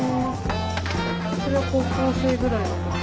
それは高校生ぐらいのとき？